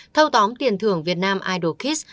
thâu tóm tiền thưởng việt nam idol kids